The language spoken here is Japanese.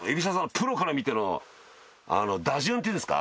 プロから見ての打順っていうんですか？